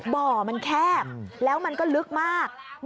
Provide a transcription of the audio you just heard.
บ่อมันแคบแล้วมันก็ลึกมาก